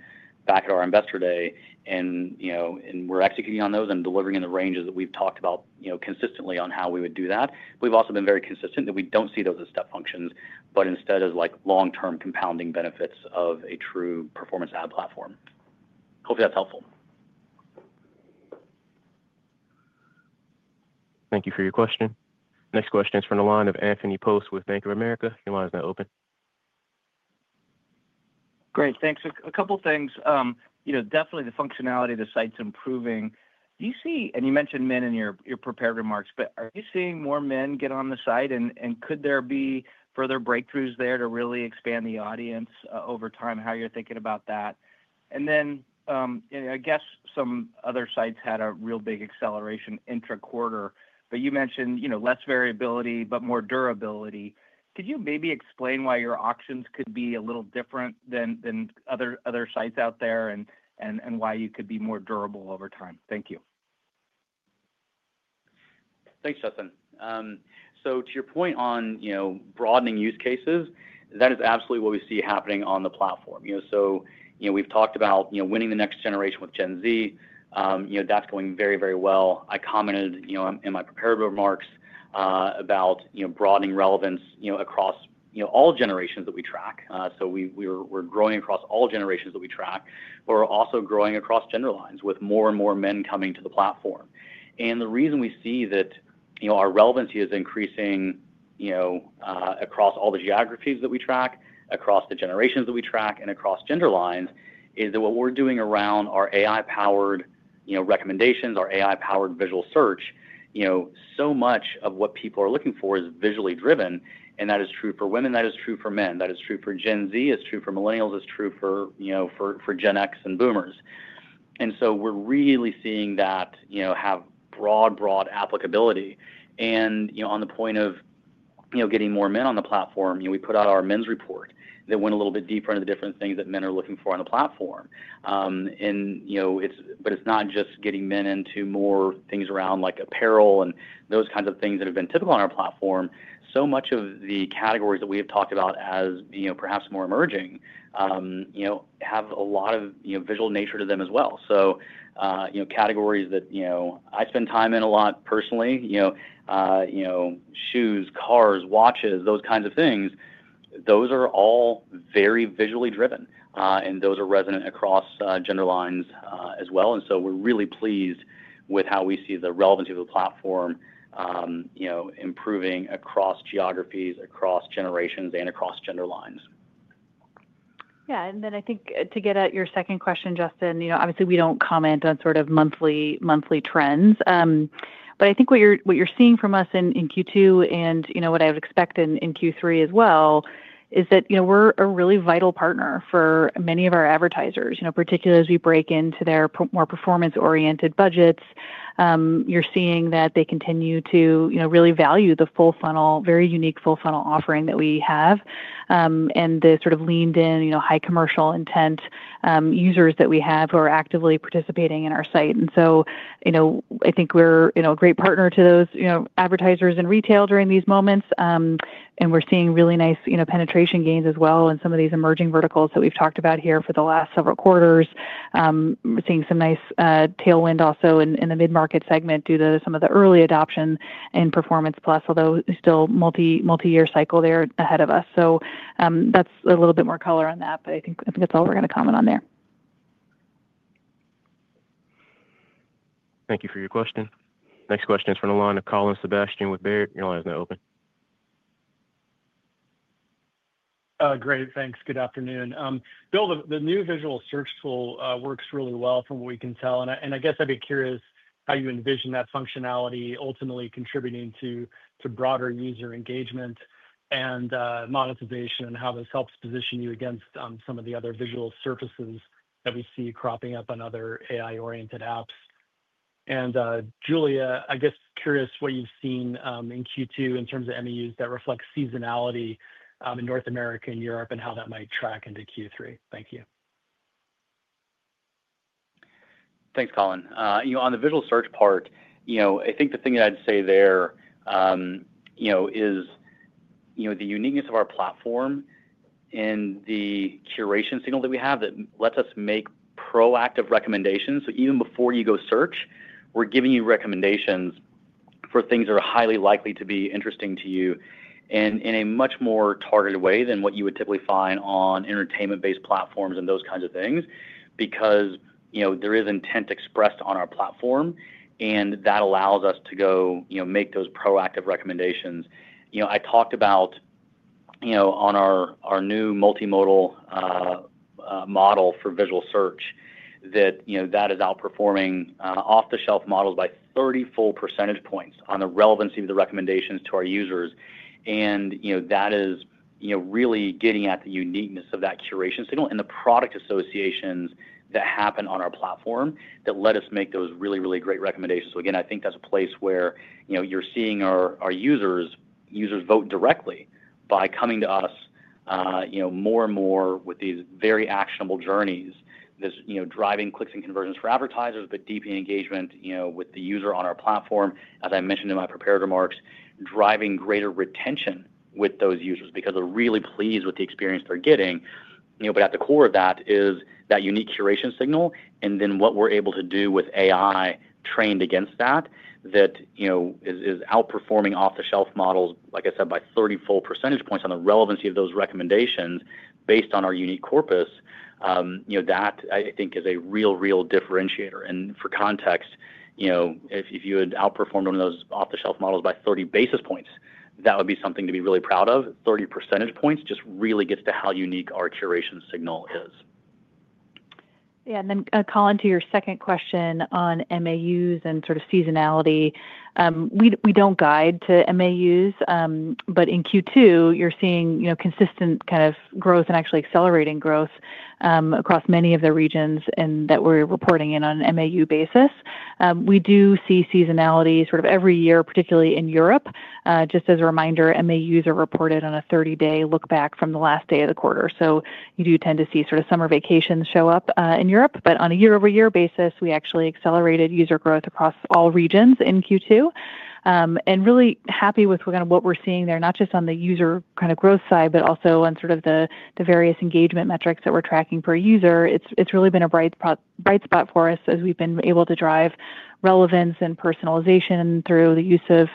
[SPEAKER 3] back at our investor day. We're executing on those and delivering in the ranges that we've talked about consistently on how we would do that. We've also been very consistent that we don't see those as step functions, but instead as long-term compounding benefits of a true performance ad platform. Hopefully, that's helpful.
[SPEAKER 1] Thank you for your question. Next question is from the line of Anthony Post with Bank of America. You're welcome to open.
[SPEAKER 12] Great. Thanks. A couple of things. Definitely, the functionality of the site's improving. Do you see, and you mentioned men in your prepared remarks, are you seeing more men get on the site? Could there be further breakthroughs there to really expand the audience over time? How are you thinking about that? Some other sites had a real big acceleration intra-quarter, you mentioned less variability but more durability. Could you maybe explain why your options could be a little different than other sites out there and why you could be more durable over time? Thank you.
[SPEAKER 3] Thanks, Justin. To your point on broadening use cases, that is absolutely what we see happening on the platform. We've talked about winning the next generation with Gen Z. That's going very, very well. I commented in my prepared remarks about broadening relevance across all generations that we track. We're growing across all generations that we track, and we're also growing across gender lines with more and more men coming to the platform. The reason we see that our relevancy is increasing across all the geographies that we track, across the generations that we track, and across gender lines is that what we're doing around our AI-powered recommendations, our AI-powered visual search, so much of what people are looking for is visually driven. That is true for women. That is true for men. That is true for Gen Z. It's true for Millennials. It's true for Gen X and Boomers. We're really seeing that have broad, broad applicability. On the point of getting more men on the platform, we put out our men's report that went a little bit deeper into the different things that men are looking for on the platform. It's not just getting men into more things around apparel and those kinds of things that have been typical on our platform. So much of the categories that we have talked about as perhaps more emerging have a lot of visual nature to them as well. Categories that I spend time in a lot personally, shoes, cars, watches, those kinds of things, those are all very visually driven. Those are resonant across gender lines as well. We're really pleased with how we see the relevancy of the platform improving across geographies, across generations, and across gender lines.
[SPEAKER 4] Yeah, and then I think to get at your second question, Justin, obviously, we don't comment on sort of monthly trends. I think what you're seeing from us in Q2 and what I would expect in Q3 as well is that we're a really vital partner for many of our advertisers, particularly as we break into their more performance-oriented budgets. You're seeing that they continue to really value the full funnel, very unique full funnel offering that we have and the sort of leaned in high commercial intent users that we have who are actively participating in our site. I think we're a great partner to those advertisers in retail during these moments. We're seeing really nice penetration gains as well in some of these emerging verticals that we've talked about here for the last several quarters. We're seeing some nice tailwind also in the mid-market segment due to some of the early adoption in Pinterest Performance Plus, although still a multi-year cycle there ahead of us. That's a little bit more color on that, but I think that's all we're going to comment on there.
[SPEAKER 1] Thank you for your question. Next question is from the line of Colin Sebastian with Baird. You're welcome to open.
[SPEAKER 13] Great. Thanks. Good afternoon. Bill, the new visual search tool works really well from what we can tell. I guess I'd be curious how you envision that functionality ultimately contributing to broader user engagement and monetization, and how this helps position you against some of the other visual surfaces that we see cropping up on other AI-oriented apps. Julia, I guess curious what you've seen in Q2 in terms of MAUs that reflect seasonality in North America and Europe, and how that might track into Q3. Thank you.
[SPEAKER 3] Thanks, Colin. On the visual search part, I think the thing that I'd say there is the uniqueness of our platform and the curation signal that we have that lets us make proactive recommendations. Even before you go search, we're giving you recommendations for things that are highly likely to be interesting to you and in a much more targeted way than what you would typically find on entertainment-based platforms and those kinds of things because there is intent expressed on our platform. That allows us to go make those proactive recommendations. I talked about our new Multimodal model for visual search that is outperforming off-the-shelf models by 34% on the relevancy of the recommendations to our users. That is really getting at the uniqueness of that curation signal and the product associations that happen on our platform that let us make those really, really great recommendations. I think that's a place where you're seeing our users vote directly by coming to us more and more with these very actionable journeys, driving clicks and conversions for advertisers, but deep engagement with the user on our platform. As I mentioned in my prepared remarks, driving greater retention with those users because they're really pleased with the experience they're getting. At the core of that is that unique curation signal and then what we're able to do with AI trained against that that is outperforming off-the-shelf models, like I said, by 34% on the relevancy of those recommendations based on our unique corpus. That I think is a real, real differentiator. For context, if you had outperformed one of those off-the-shelf models by 30 basis points, that would be something to be really proud of. 30% just really gets to how unique our curation signal is.
[SPEAKER 4] Yeah, and then Colin, to your second question on MAUs and sort of seasonality, we don't guide to MAUs, but in Q2, you're seeing consistent kind of growth and actually accelerating growth across many of the regions that we're reporting in on an MAU basis. We do see seasonality every year, particularly in Europe. Just as a reminder, MAUs are reported on a 30-day lookback from the last day of the quarter. You do tend to see summer vacations show up in Europe. On a year-over-year basis, we actually accelerated user growth across all regions in Q2. Really happy with what we're seeing there, not just on the user growth side, but also on the various engagement metrics that we're tracking per user. It's really been a bright spot for us as we've been able to drive relevance and personalization through the use of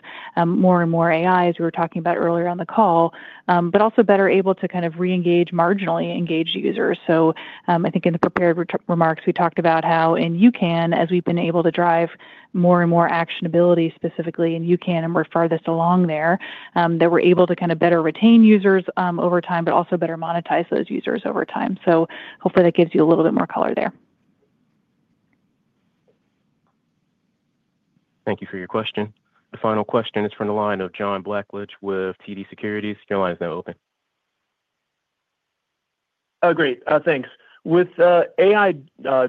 [SPEAKER 4] more and more AI, as we were talking about earlier on the call, but also better able to re-engage marginally engaged users. I think in the prepared remarks, we talked about how in UCAN, as we've been able to drive more and more actionability, specifically in UCAN, and we're farthest along there, that we're able to better retain users over time, but also better monetize those users over time. Hopefully, that gives you a little bit more color there.
[SPEAKER 1] Thank you for your question. The final question is from the line of John Blackledge with TD Securities. You're welcome to open.
[SPEAKER 14] Great. Thanks. With AI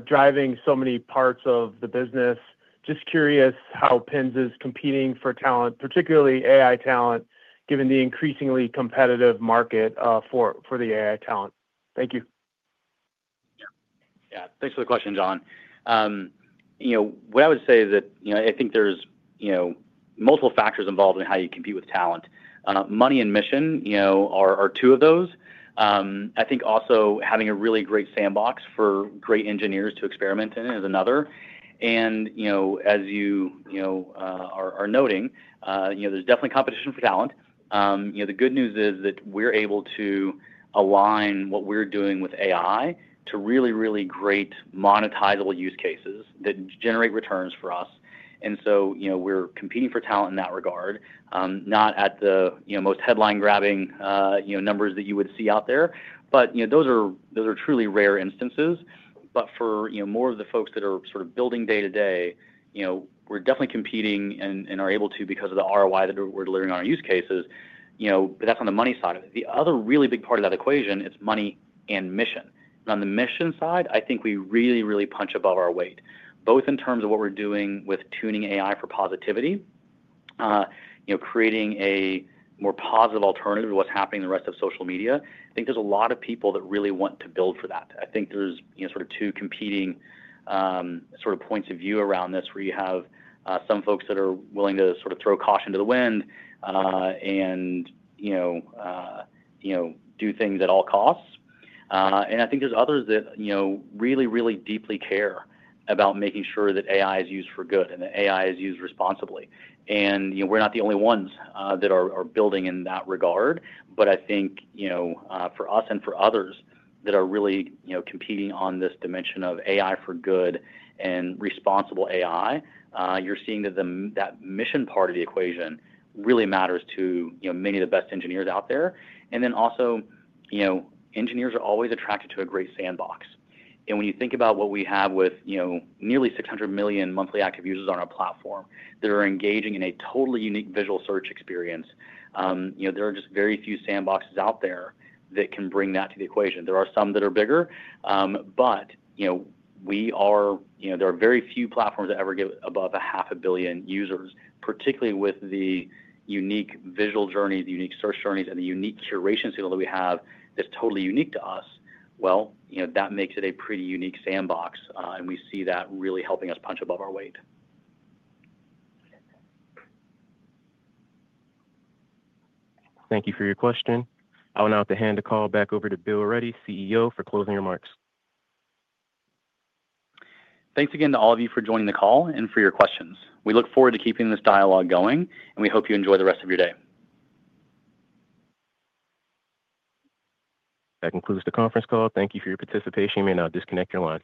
[SPEAKER 14] driving so many parts of the business, just curious how Pinterest is competing for talent, particularly AI talent, given the increasingly competitive market for the AI talent. Thank you.
[SPEAKER 3] Yeah, thanks for the question, John. What I would say is that I think there's multiple factors involved in how you compete with talent. Money and mission are two of those. I think also having a really great sandbox for great engineers to experiment in is another. As you are noting, there's definitely competition for talent. The good news is that we're able to align what we're doing with AI to really, really great monetizable use cases that generate returns for us. We're competing for talent in that regard, not at the most headline-grabbing numbers that you would see out there. Those are truly rare instances. For more of the folks that are sort of building day-to-day, we're definitely competing and are able to because of the ROI that we're delivering on our use cases. That's on the money side of it. The other really big part of that equation is money and mission. On the mission side, I think we really, really punch above our weight, both in terms of what we're doing with tuning AI for positivity, creating a more positive alternative to what's happening in the rest of social media. I think there's a lot of people that really want to build for that. I think there's sort of two competing sort of points of view around this where you have some folks that are willing to sort of throw caution to the wind and do things at all costs. I think there's others that really, really deeply care about making sure that AI is used for good and that AI is used responsibly. We're not the only ones that are building in that regard. For us and for others that are really competing on this dimension of AI for good and responsible AI, you're seeing that that mission part of the equation really matters to many of the best engineers out there. Also, engineers are always attracted to a great sandbox. When you think about what we have with nearly 600 million monthly active users on our platform that are engaging in a totally unique visual search experience, there are just very few sandboxes out there that can bring that to the equation. There are some that are bigger, but there are very few platforms that ever get above a half a billion users, particularly with the unique visual journeys, the unique search journeys, and the unique curation signal that we have that's totally unique to us. That makes it a pretty unique sandbox, and we see that really helping us punch above our weight.
[SPEAKER 1] Thank you for your question. I will now have to hand the call back over to Bill Ready, CEO, for closing remarks.
[SPEAKER 3] Thanks again to all of you for joining the call and for your questions. We look forward to keeping this dialogue going, and we hope you enjoy the rest of your day.
[SPEAKER 1] That concludes the conference call. Thank you for your participation. You may now disconnect your lines.